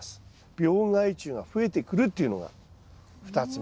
病害虫が増えてくるというのが２つ目です。